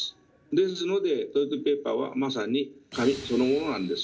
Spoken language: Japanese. ですのでトイレットペーパーはまさに紙そのものなんですよ。